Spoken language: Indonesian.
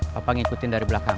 papa ngikutin dari belakang